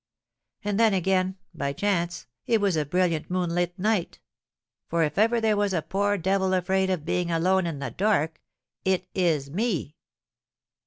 And then, again, by chance it was a brilliant moonlight night; for if ever there was a poor devil afraid of being alone in the dark it is me."